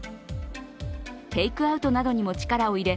テイクアウトなどにも力を入れ